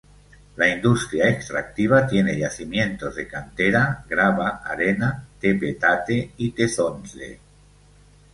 La industria extractiva tiene yacimientos de cantera, grava, arena, tepetate y tezontle.